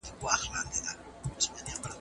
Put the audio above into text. راغی جهاني خدای او اولس لره منظور مشر